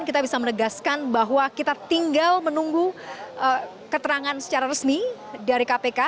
kita bisa menegaskan bahwa kita tinggal menunggu keterangan secara resmi dari kpk